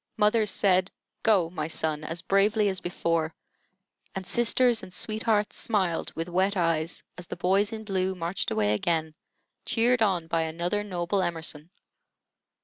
Mothers said, "Go my son," as bravely as before, and sisters and sweethearts smiled with wet eyes as the boys in blue marched away again, cheered on by another noble Emerson.